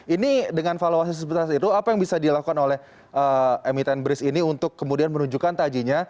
ini dengan valuasi sebetulnya itu apa yang bisa dilakukan oleh m sepuluh briz ini untuk kemudian menunjukkan tajinya